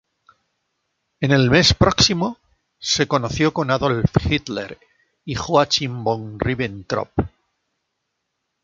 En el mes próximo, se conoció con Adolf Hitler y Joachim von Ribbentrop.